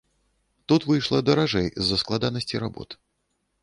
Тут выйшла даражэй з-за складанасці работ.